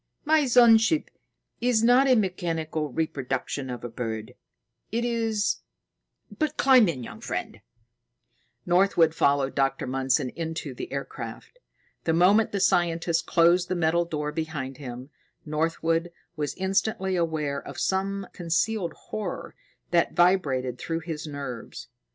My sun ship is not a mechanical reproduction of a bird. It is but, climb in, young friend." Northwood followed Dr. Mundson into the aircraft. The moment the scientist closed the metal door behind them, Northwood was instantly aware of some concealed horror that vibrated through his nerves.